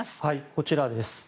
こちらです。